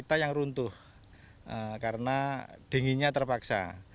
kita yang runtuh karena dinginnya terpaksa